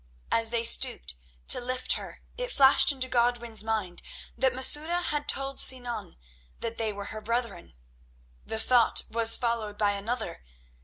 As they stooped to lift her it flashed into Godwin's mind that Masouda had told Sinan that they were her brethren. The thought was followed by another.